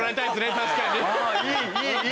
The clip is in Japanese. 確かにね！